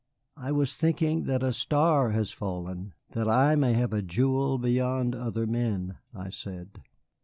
"I was thinking that a star has fallen, that I may have a jewel beyond other men," I said.